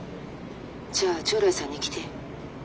じゃあ朝來さんに来て。